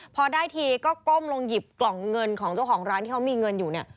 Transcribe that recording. พอได้ทีก็ก้มลงหยิบกล่องเงินของเจ้าของร้านที่เขามีเงินอยู่เนี่ย